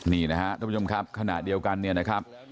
นี่นะครับทุกผู้ชมครับขณะเดียวกันเนี่ยนะครับ